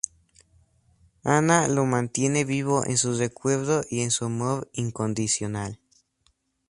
Anna lo mantiene vivo en su recuerdo y en su amor incondicional.